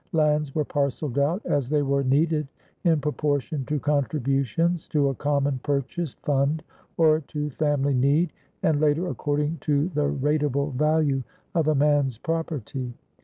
Lands were parceled out as they were needed in proportion to contributions to a common purchase fund or to family need, and later according to the ratable value of a man's property.